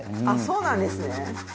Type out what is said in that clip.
和田：あっ、そうなんですね。